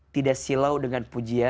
tidak silau dengan puji